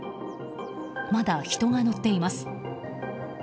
まだ人が乗っています。